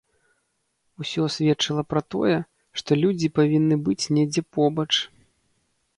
Усё сведчыла пра тое, што людзі павінны быць недзе побач.